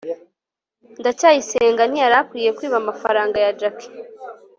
ndacyayisenga ntiyari akwiye kwiba amafaranga ya jaki